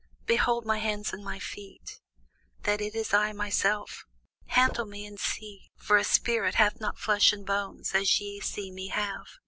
Behold my hands and my feet, that it is I myself: handle me, and see; for a spirit hath not flesh and bones, as ye see me have.